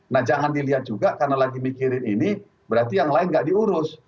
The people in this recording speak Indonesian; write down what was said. nah jangan dilihat juga karena lagi mikirin ini berarti yang lain nggak diurus